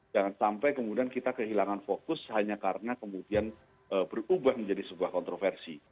jangan sampai kemudian kita kehilangan fokus hanya karena kemudian berubah menjadi sebuah kontroversi